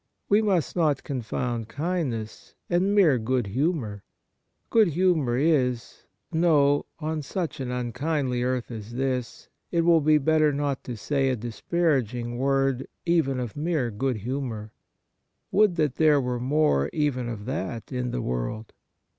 We must not confound kindness and mere good humour. Good humour is — no! on such an unkindly earth as this, it will be better not to say a disparaging word even of mere good humour. Would that there were more even of that in the world